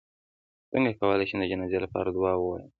څنګه کولی شم د جنازې لپاره دعا ووایم